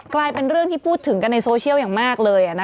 กลายเป็นเรื่องที่พูดถึงกันในโซเชียลอย่างมากเลย